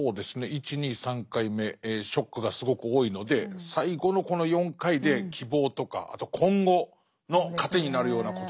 １・２・３回目ショックがすごく多いので最後のこの４回で希望とかあと今後の糧になるようなことがあるといいなと。